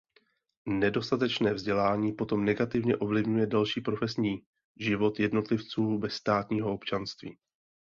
Nedostatečné vzdělání potom negativně ovlivňuje další profesní život jednotlivců bez státního občanství.